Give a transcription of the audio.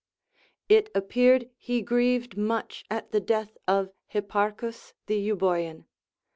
It appeared he grieved much at the death of Hipparchus the Euboean.